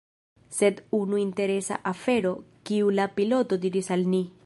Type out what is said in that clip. Sed unu Interesa afero kiu la piloto diris al ni.